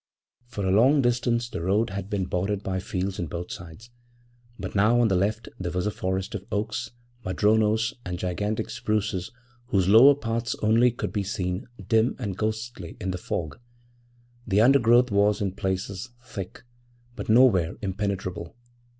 For a long distance the road had been bordered by fields on both sides, but now on the left there was a forest of oaks, madronos, and gigantic spruces whose lower parts only could be seen, dim and ghostly in the fog. The undergrowth was, in places, thick, but nowhere impenetrable.